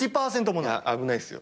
１％もない。